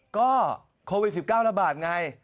ก็โควิด๑๙ระบาดไง